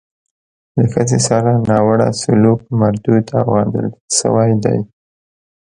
له ښځې سره ناوړه سلوک مردود او غندل شوی دی.